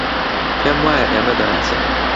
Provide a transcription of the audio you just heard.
پێم وایە ئێمە دەناسن.